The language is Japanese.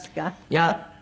いや。